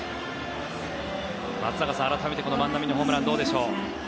松坂さん、改めて万波のホームランどうでしょう。